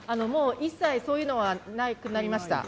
一切そういうのはなくなりました。